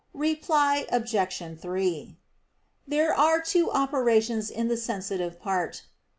Reply Obj. 3: There are two operations in the sensitive part.